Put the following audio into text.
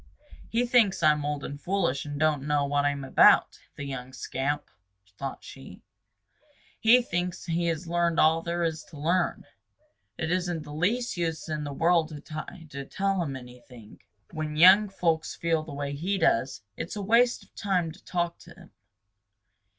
"He thinks I'm old and foolish and don't know what I'm about, the young scamp!" thought she. "He thinks he has learned all there is to learn. It isn't the least use in the world to try to tell him anything. When young folks feel the way he does, it is a waste of time to talk to them.